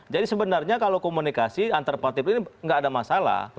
jadi sebenarnya kalau komunikasi antar partai partai ini gak ada masalah